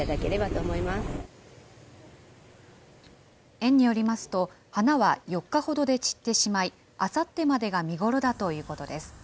園によりますと、花は４日ほどで散ってしまい、あさってまでが見頃だということです。